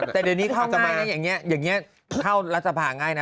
แต่เดี๋ยวนี้เข้าง่ายนะอย่างนี้เข้ารักษภาง่ายนะ